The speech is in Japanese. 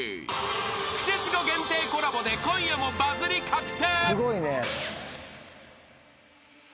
［『クセスゴ』限定コラボで今夜もバズり確定］